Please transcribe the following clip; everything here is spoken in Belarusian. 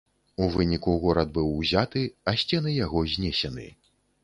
У выніку горад быў узяты, а сцены яго знесены.